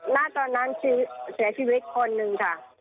น่าตอนนั้นเสียชีวิตคนหนึ่ง